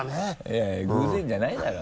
いやいや偶然じゃないだろ